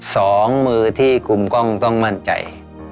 สองมือที่คุมกล้องต้องมั่นใจ